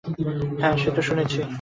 হাঁ, সে তো শুনেছি।